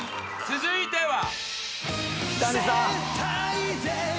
［続いては］